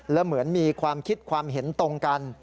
แล้วเหมือนมีความคิดความเห็นตรงกัน